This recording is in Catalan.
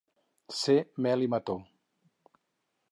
Ser mel i mató.